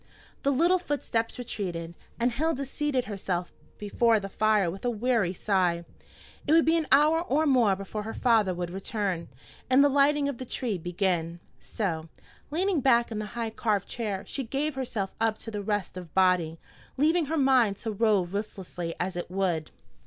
The little footsteps retreated, and Hilda seated herself before the fire with a weary sigh. It would be an hour or more before her father would return, and the lighting of the tree begin; so, leaning back in the high carved chair, she gave herself up to rest of body, leaving her mind to rove listlessly as it would.